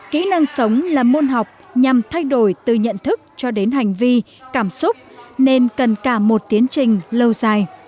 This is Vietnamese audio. kỹ năng sống là môn học nhằm thay đổi từ nhận thức cho đến hành vi cảm xúc nên cần cả một tiến trình lâu dài